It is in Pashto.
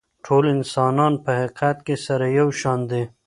ټول انسانان په حقیقت کي سره یو شان دي.